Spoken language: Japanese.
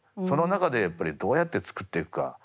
その中でやっぱりどうやって造っていくか。